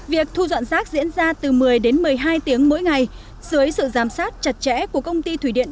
việc thu dọn rác diễn ra từ một mươi đến một mươi hai tiếng mỗi ngày dưới sự giám sát chặt chẽ của công ty thủy điện